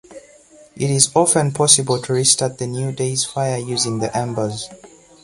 It is often possible to restart the new day's fire using the embers.